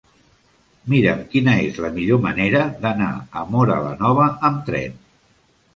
Mira'm quina és la millor manera d'anar a Móra la Nova amb tren.